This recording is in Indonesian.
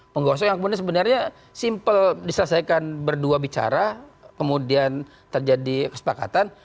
penggosok yang kemudian sebenarnya simple diselesaikan berdua bicara kemudian terjadi kesepakatan